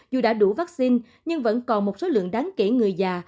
dù đã đủ vaccine nhưng vẫn còn một số lượng đáng kể người già